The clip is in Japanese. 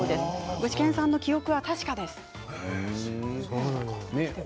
具志堅さんの記憶は確かです。